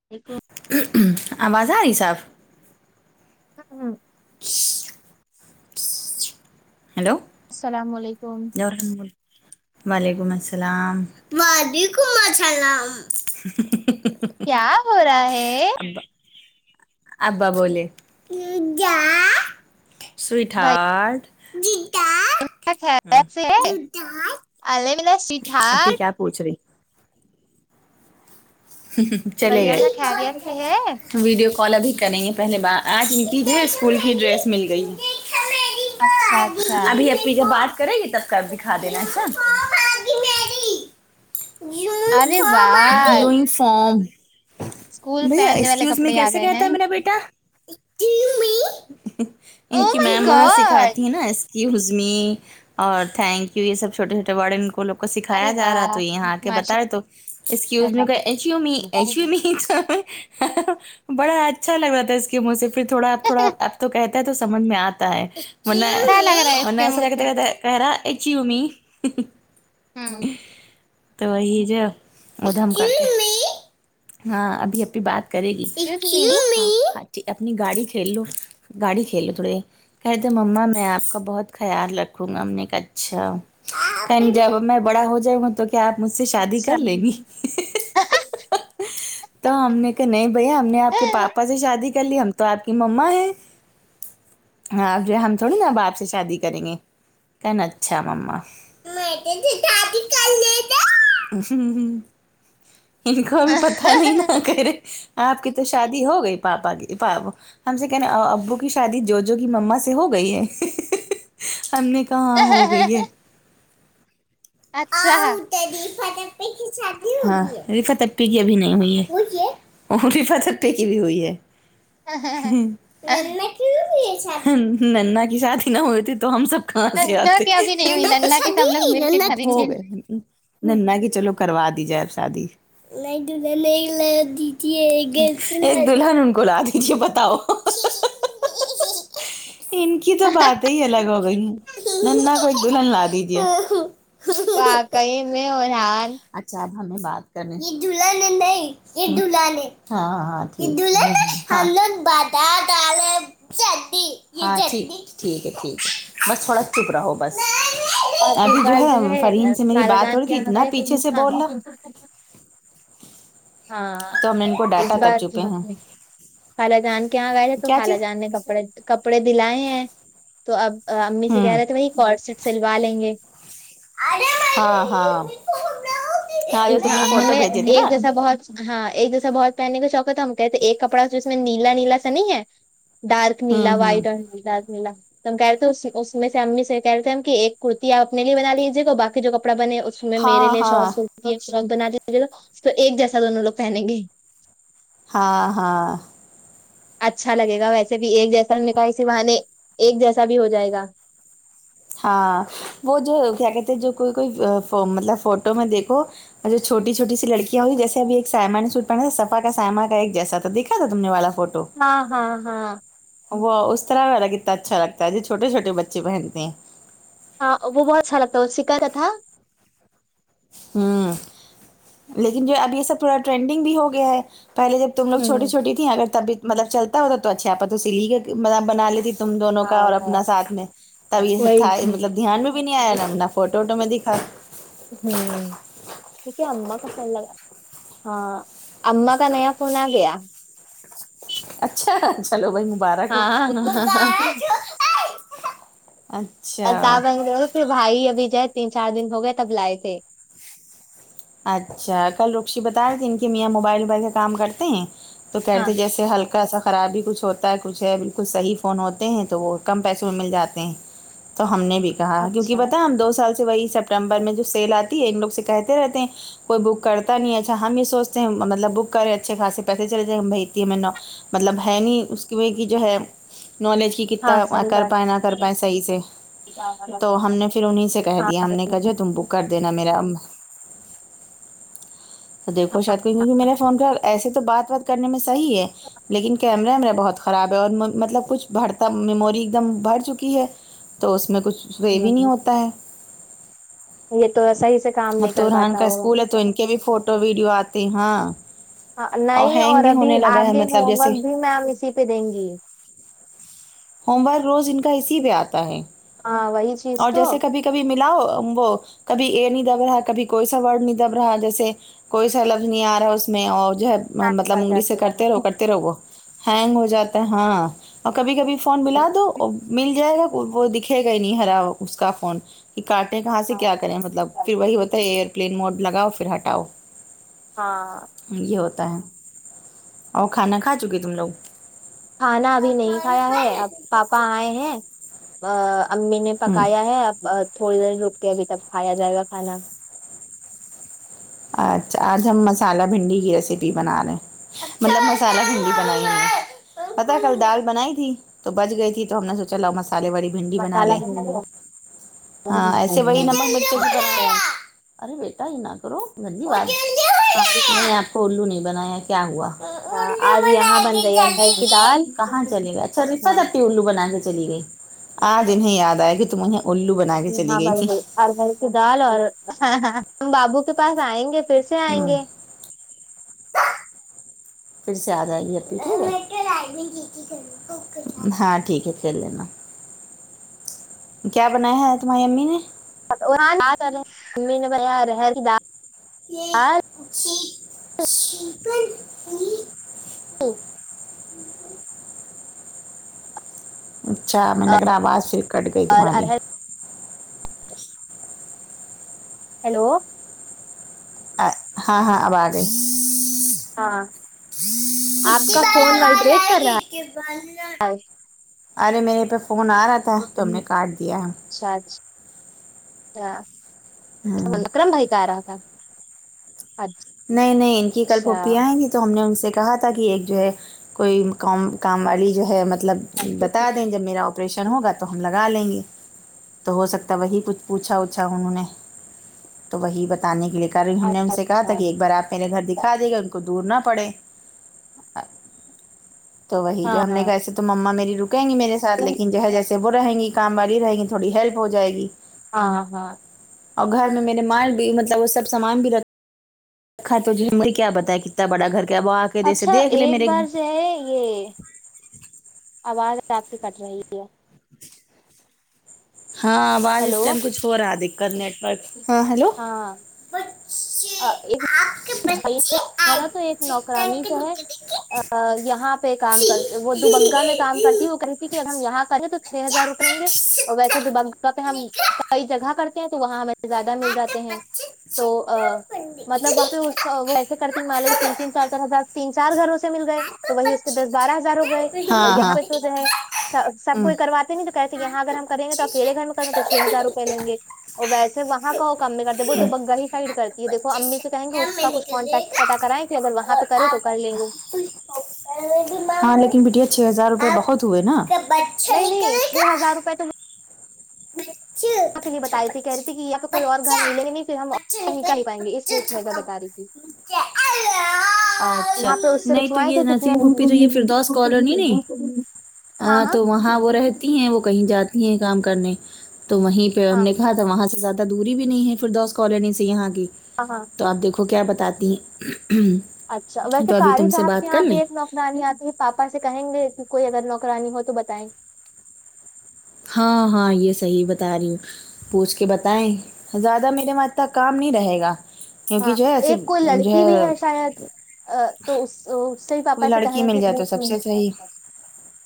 [inaudible] آواز آ رہی صاف ہاں ہاں ہیلو السلام علیکم وعلیکم السلام [unintelligible] کیا ہو رہا ہے ابا بولے سویٹ بھیا ہارٹ خیریت سے ہے الے ملا سویٹ ہارٹ [unintelligible] ہم ہم بھیا میں خیریت سے ہے ویڈیو کال ا بھیھی کریں گے پہلے بار آج ان کی جو ہے اسکول کی ڈریس مل گئی ہے اچھا اچھا پھر جب بات کرے گی تب کا تب دکھا دینا اچھا ارے واہ یونی فارم اسکول بھیا پہننے والے ایکسکیوز میں کپڑے آ کیسے گئے ہیں کہتا میرا بیٹا ان او کی مائی میم وہاں سکھاتی گاڈ ہے نا اس ایکسکیوز می اور تھینک یو یہ سب چھوٹے چھوٹے ورڈ ان کو لوگوں کو ارے سکھایا جا رہا تھا واہ یہاں آ کے بتا ماشاء رہے تو ایکسکیوز می اللہ ایچ یو ایچ یو م بڑا اچھا لگ رہا تھا اس کی منہ سے پھر تھوڑا آپ تھوڑا اچھا آپ تو کہتے تو سمجھ میں آتا ہے لگ رہا ہے اس ورنہ کے منہ ایسا لگتا سے ہے کہرا اچی ہومی ہمم تو وہی جو ادھم گ اچی اممی کے ہاں ابھی ابھی بات کرے گی ایکسکیوز می کیوں نہیں اپنی گاڑی کھیلو گاڑی کھیل لو تھوڑے کہہتے مما میں آپ کا بہت خیال رکھوں گا ہم نے کا اچھا جب میں بڑا ہو جاؤں گا تو کیا آپ مجھ سے شادی کر لیں گی تو ہم نے کہ نہیں بھیا ہم نے آپ کے پاپا سے شادی کر لی ہم تو آپ کی مما ہے ہاں جو ہم تھوڑی نا اب آپ سے شادی کریں گے کہن اچھا ممما ہ ہ ان کو بھی پتہ نہیں نہ کرے آپ کی تو شادی ہو گئی پاپا کی پاپ ہم سے کہنے ابو کی شادی جو جو کی مما سے ہو گئی ہے ہم نے کہاں ہو گئی ہے اچھا رففت آپپی کی شادی ہوگیی ہاں رفت آپپی کی ابھی نہیں ہوئی ہے ہوئی ہے اری پترٹٹییکی بھی ہوئی ہے اچھا ننا کی بھی ہوئی ہے شادی ننا کی شادی نہ ہوئی تھی تو ہم سب کہا سے نندا آتے کی ابھی نہیں ہوئی ننا کی نندا شادی سب لوگ ہوئی مل کے ننا کی کریں شادی ہو گے گی ننا کہ چلو کروا دی جائے شادی ل دلہن نہیں لا دی تے دلہن ان کو لا دی تے بتاؤ [unintelligible] ان کی تو بات ہی الگ ہو گئی ننا کو ایک دلہن لا دی دیا واقعی میں ارہان اچھا اب ہمیں بات کر یہ دلہن ہے نیی یہ دلہن ہے ہاں ہاں یہ دلہن ہے ہم لوگ بات [unintelligible] دالی ٹھیک ہے ٹھیک ہے بس تھوڑا چپ رہو گ بس اور اس ابھی جو بار ہے فریم سے میری خالہ بات جان ہو رہی کے تھی یہاں اتنا گئے پیچھے سے بول رہا تھے ہاں تو ہم نے ان کو اس ڈانٹا تب بات کی چپے ہیں خال جان کے یہاں گئے تھے تو کیا خالا چیز جان نے کپڑے کپڑے دلائے ہیں تو اب امی سے کہہ ہوں رہے تھے وہی کورڈ سیٹ سلوا لیں گے ہاں ہاں ہاں جو تم نے اں فوٹو بھیجے ہمیں تھے نا ایک جیسا بہت ہاں ایک جیسا بہت پہننے کا شوق ہم کہتے ایک کپڑا جو اس میں نیلا نیلا سا نہیں ہے ڈارک نیلا ہوں ہوں وائٹ اور ڈارک نیلا تو ہم کہ رہتے ہیں اس میں سے امی سے کہ رہتے ہیں ہم کہ ایک کررتی آپ اپنے لیے بنا لیجیے گا باقی جو کپڑا بنے اس میں میرے ہاں لیے ہاں شوس ہوتی شارق بناتےو ایک جیسا دونوں لو پہنیں گے ہاں ہاں اچھا لگے گا ویسے بھی ایک جیسا ہم نے کہا اسی بہانے نے ایک جیسا بھی ہو جائے گا ہاں وہ جو کیا کہتے جو کوئی کوئی مطلب فوٹو میں دیکھو اور جو چھوٹی چھوٹی سی لڑکیاں ہوئی جیسے ابھی سیما نے سوٹ پہنا تھا سفا کا سائما کا ایک جیسا تھا دیکا کیا تھا تم نے والا فوٹو ہاں ہاں ہاں وہ اس طرح الگ کتنا اچھا لگتا ہے جو چھوٹے چھوے بچے پہنتے ہیں ہاں وہ بہت اچھا لگتا ہے سکھا تھا ہوں لیکن جو اب یہ سب پورا ٹرینڈنگ بھی ہو گیا ہے پہلے جب تو لوگ چوٹی ہوں چھوٹی تھی اگر تب ہی طلب چلتا ہو تو اچھاپ تو سلی ہی ہوتی مطلب بنا لیتی تم دونوں ہاں کا اور ہاں اپنا ساتھ میں تب یہ سب وہی تھا چیز مطلب دھیان میں بھی نہیں آیا نانا فوٹو وٹو میں دیکھا ہ ٹھیک ہے اما کا فون لگا ہاں امما کا نیا فون آگیا اچھا چلو بھائی مبارک ہو ہاں ہاں ہاں اچھا التا بن پھر بھائی اب جائے تین چار دن ہو گئے تب لائے تھے اچھا کل رکشی بتا رہ کہ ان کی میاں موبائل ووبائل سے کام کرتے ہیں تو ہاں کہتے جیسے ہلکا سا خرابی کچھ ہوتا ہے کچھ ہے بالکل صحیح فون ہوتے ہیں تو وہ کم پیسوں میں مل جاتے ہیں تو ہم نے بھی کہا کیونک کہ اچھا بتا ہم دو سال سے وہی سیپٹمبر میں جو سیل آتی ہے ان لوگ سے کہتے رہتے ہیں کوئی بک کرتا نہیں ہے اچھا ہم یہ سوچتے ہیں مطلب بک کرے ہیں اچھے پیسے چلے جے ہم بھیجتی ہے ہم میں نو مطلب ہے نہیں اس کی جو ہے نالج کی ہاں کتا صحیح کر بات پائےیں نہ کر پائیں صحیح سے تو ہم نے پھر انہیں سے کہہ ہاں دیا ہم نے کہ جو تم بک کر دینا میرا تو دیکھو شاید کو کیونکہ میرے فون کا ایسے تو بات بات کرنے میں صحی ہے لیکن کیمرا میرا بہت خراب ہے اور مطلب کچھ بھرتا میموری ایک دم بڑھ چکی ہے تو اس میں کچھ اس وہ یہ بھی نہیں ہوتا ہے یہ تو ایا ہی س تووران کا اسکول ہے تو ان کے بھی فوٹو ویڈیو آتے ہاں نہیں ہینگ اور بھی ابھی ہونے لگا ہے آگے مطلب ہوم جیسے ورک بھی میم اسی پہ دیں گی ہوم ورک روز ان کا اسی پہ آتا ہے ہاں وہی چیز اور تو جیسے کبھی کبھی ملاؤ وہ کبھی اے نہیں دب رہا کبھی کوئی سا ورڈ نہیں دب رہا جیسے کوئی سرلبظ نہیں آ رہا ہے اس میں اور جو ہے ہینگ مطلب کر انگلی سے جاتے کرتے رہو کرتے رہو ہینگ ہو جاتا ہے ہاں اور کبھی کبھی فون ملا دو مل جائے گا وہ دکھے گئے نہیں ہرا اس کا فون کہ کاٹیں کہاں سے کیا کریں مطلب پھر وہی ہوتا ہے ایئر پلین موڈ لگاؤ پھر ہٹاؤ ہاں یہ ہوتا ہے اور کھانا کھا چکے تم لوگ کھانا ابھی نہیں کھایا ہے اب پاپا آئے ہیں امی نے ہوں پکایا ہے اب تھوڑی دیر رک کے ابھی تک کھایا جائے گا کھانا اچھا آج ہم مسالہ بھنڈی کی ریسیپی بنا رہے ہیں مطلب مسالہ ہندی بنائی نے پتا کل دال بنائی تھی تو بچ گئی تھی تو ہم نے سوچا لاؤ مسالے بی بھنڈی بنا لے مسالہ ہاں ایسے وہی نم اچھا ارے بیٹا ا نہ کرو دھنی واد ہاں نہیں آپ کو الو نہیں بنایا کیا ہوا اچھا آج بنا یہاں بن کے رہی ہے چلے ارہر کی دال گ کہاں چلے گئے اچھا رشہ ہاں جتی الو بنا کے چلی گئی آج انھے دیا کہ تمہیںے الو بن جی ہاں اور دل کی دال اور ہم بابو کے پاس آئیں گے پھر سے سے آئیں ہوں گے پھر سے آ جائے گی اھی ہے ہاں ٹھیک ہے کر لینا کیا بنایا ہے تمہاری امی نے رہ ممی نے [unintelligible] یہ دال اچھی نہیں دو اچھا میں نگر آباد سے کٹ گئی اور تمہاری ارہر ہیلو ہاں ہاں اب آ رہی ہاں آپ کتنی کا بار فون آواز وائبریٹ آئے کر گی رہا کے بند ہے ارے میرے پہ فون آ رہا تھا تو ہم نے کاٹ دیا اچھا اچھا ہوں اکرم بھائی کہ آ رہا تھا اچھا نہیں نہیں ان کی کل پوپیا آئیں گی تو ہم نے ان سے کہا تھا کہ ایک جو ہے کوئی کام کام والی جو ہے مطلب اچھا بتا جب میرا آپریشن ہوگا تو ہم لگا لیں گے تو ہو سکتا وہی کچھ پوچھا اوچھا انہوں نے تو وہی بتانے کے لیے کر رہی ہم نے ان سے کہا اچھا پر آپ میرے گھر دکھا دیے گا ان کو دور نہ پڑے تو وہی جو ہاں ہم نے ہاں کہسے تو مما میری رکیں گی میرے ساتھ لیکن جو جیسے وہ رہیں گی کام والی رہیں گی تھوڑی ہیلپ ہو جائے گی ہاں ہاں اور گھر میں میرے مال بھی مطلب وہ سب سامان بھی رکھ اکھا تو ہم کیا بتا کتنا بڑا گھر کیا ب اچھا ایک بار جو ہے یہ آواز آپ کی کٹ رہی ہے ہاں آواز اس ہیلو ٹائم کچھ ہو رہا ہے دقت نیٹورک ہاں ہیلو ہاں بچے آپ کے بچے ایک تھا آج تو ایک چکر نوکرانی کے جو ہے نیچے دیکھے یہاں پہ کام کر وہ دوبگا میں کام کرتی وہ کر کہ ا ہم یہاں کریں تو چھ ہزار روپ لیں گے اور ویسے دوبہ پہ ہم کئی جگہ کرتے ہیں تو وہاں ہمیں زیادہ مل جاتے ہیں تو ا مطلب وہاں پہ اس کو کرتی تین مالے تین تین چار چار ہزار تین چار گھروں سے مل گئے تو وہی اس کے دس بارہ ہزار ہو گئے اور یہاں پہ تو جو ہے سب کوئی واتے نہیں تو کہتے یہاں اگر ہم کریں گے تو اکیل گھر میں کریں تو چھ ہزار روپئے لیں گے اور ویسے وہاں کا وہ کم میں کرتے وہ دبگا ہی سائڈ کرتی ہے دیکو امی سے کہیں گے اس کا کچھ کانٹیکٹ پتا کرائیں کہ اگر وہاں پہ کرے تو کر لے گو ہاں لیکن بیٹیا چھ ہزار روپے بہت ہوئے نا نہیں نہیں نکلے چھ گا ہزار روپے تو بچے پھر یے بچہ بتائی تھی کہہ رہی بچہ تھی کہ یہاں پہ کوئی اور گھر بچہ ملینگے نہیں پھر ہم بچے اور نہیں نکلے کر ہی پائیں گے اس لیے تو گھر بتا رہی تھی اللہ اچھا یہاں پہ اس سے نہیں تو رکھوائے یہ کہ نسیم پھپھی تو یہ فردوس کالونی نہیں کتنے ہاں تو وہاں وہ رہتی ہیں وہ کہیں جاتی ہیں کام کرنے تو وہیں پہ ہم ہاں نے کہا وہاں سے زیادہ دوری بھی نہیں ہے فردوس کالونی سے یہاں کی ہاں ہاں تو آپ دیکھو کیا بتاتی ہیں اچھا ویسے تو ابھی کاری تم سے صاحب کے بات کر یہاں بھی لیں ایک نا نرانی آتی ہے پاپا سے کہیں گے کہ کوئی اگر نوکرانی ہو تو بتائیں ہاں ہاں یہ صحیح بتا رہی ہوں پوچھ کے بتائیں زیادہ میرے کو اتا کام نہیں رہے گا کیونکہ ہاں جو ہے ایسی ایک کوئی جو ہے لڑکی بھی شاید تو اس اس سے ہی کوئی پاپا سے لڑکی کہیں مل کہ جائے تو سب پچھوں سے صحیح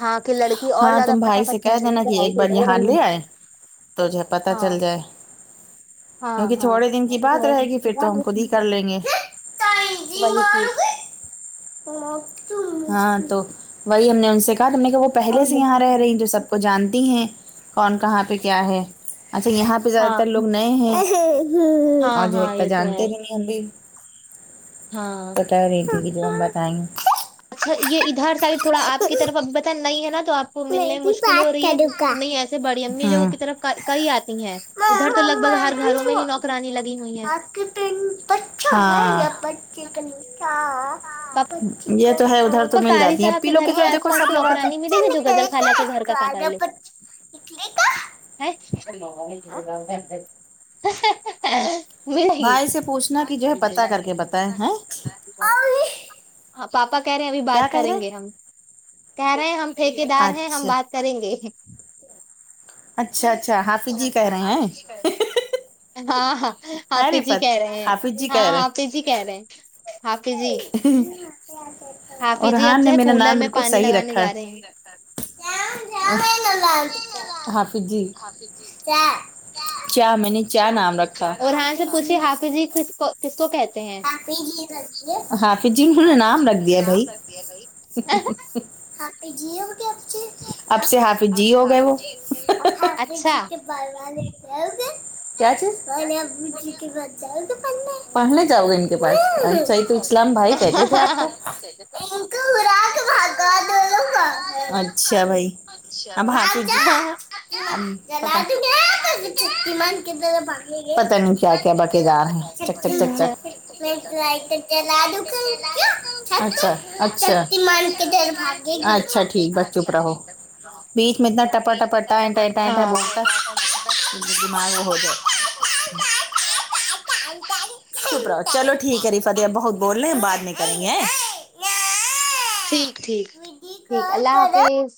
ہاں کہ لڑکی اور ہاں زیادہ تم بھائی سے فٹافٹ کہہ کر لے دینا کہ ایک بار یہاں لے گی آئے تو جو پتا چل جائے ہاں کیونکہ ہاں تھوڑے دن کی بات رہے وہی گی پھر تو ہم خود ہی کر لیں گے وہی پلیز ہاں تو وہی ہم نے ان سے کہا کی تم نے کیا وہ پہلے سے یہاں رہ رہی جو سب کو جانتی ہیں کون کہاں پہ کیا ہے اچھا یہاں پہ زیادہ تر لوگ ہاں نئے ہیں اور ہاں جو ہاں ہے یہ تو جانتے ہی نہیں ہم بھی ہاں بتا رہیتی ہم بتائیں گے اچھا یہ ادھر سائڈ تھوڑا آپ کی طرف اب بتا نہیں ہے نا تو آپ کو میں ملنے بھی مشکل ہو بات رہی ہے کروں گا نہیں ایسے بڑی امی لوگوں ہاں کی طرف کہئی آتی ہیں ادھر تو مما لگ بھگ میں ہر گھروں میں بھی ہی نوکرانی لگی ہوئی ہے آپ کے پینٹ بچہ ہے یا بچے یہ تو ہے گھر تو پاپا مل قاری جاتی ہے صاحب اپی لوگ کے گھر ساتھ آس دیکو پاس سب لوگ آتے ہیں نکلے [unintelligible] [unintelligible] [unintelligible] [unintelligible] بھائی سے پوچھنا کہ جو ہے پتہ کر کے بتائیں ہیں ہاں پاپا کہہ رہے ہیں ابھی کیا بات کہہ رہے کریں گے ہم کہہ رہے ہیں ہم ٹھیکے دار ہیں ہم اچھا بات کریں گے اچھا اچھا حافظ جی کہہ رہے ہیں ہاں ہاں ہے حاپی جی رفت کہہ رہے ہیں حافظ جی ہاں کہہ رہے ہاپی جی کہہ رہے ہیں ہاپی جی اور حافظ جی اب حان جو نے ہے میرا کولر نام میں بالکل پانی صحیی لگانے رکھا جا ہے رہے ہیں [unintelligible] کیا میں نے کیا نام رکھا اور ہاں اس سے پوچھی حافظین حافظ جی کس کو کس کو کہتے ہیں [unintelligible] حافظ جی نام رکھ دیا بھائی اب سے حافظ جی ہو گئے وہ اچھا [unintelligible] ان کے پاس سعید اسلام بھائی کہتے تھے آپ تو اچھا بھائی [unintelligible] پتا ہاں نہیں کیا کیا بکے جا رہے ہیں چک چک چک چک [unintelligible] ٹھیک بس چپ رہو بیچ میں اتنا ٹپا [unintelligible] ٹپا ٹائیں ٹائیں ٹائیں ٹائیں بولتا دماغ وہ ہو [unintelligible] جائے ا چلو ٹھیک ہے ری فتیہ بہت بول رہے ہیں بعات نہیں کرنی ہے ٹھیک ٹھیک ٹھیک کال اللہ کرو حافظ